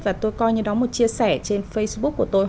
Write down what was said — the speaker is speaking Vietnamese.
và tôi coi như đó một chia sẻ trên facebook của tôi